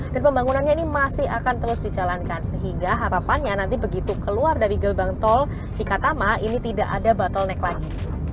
dan pembangunannya ini masih akan terus dijalankan sehingga harapannya nanti begitu keluar dari gelbang tol cikatama ini tidak ada bottleneck lagi